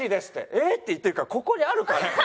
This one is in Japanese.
「えっ？」って言ってるけどここにあるから。